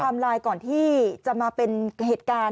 ไลน์ก่อนที่จะมาเป็นเหตุการณ์